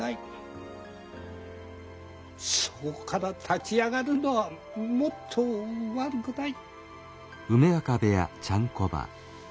そこから立ち上がるのはもっと悪くない。